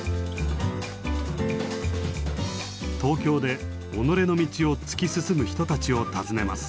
東京で己の道を突き進む人たちを訪ねます。